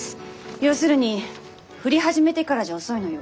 要するに降り始めてからじゃ遅いのよ。